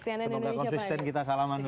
semoga konsisten kita salamannya